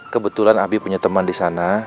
kebetulan abi punya teman di sana